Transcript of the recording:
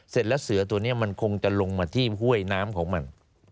เสร็จแล้วเสือตัวนี้มันคงจะลงมาที่ห้วยน้ำของมัน